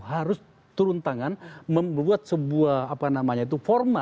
harus turun tangan membuat sebuah apa namanya itu formal